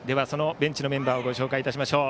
ベンチのメンバーをご紹介しましょう。